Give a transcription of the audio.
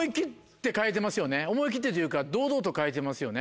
思い切ってというか堂々と変えてますよね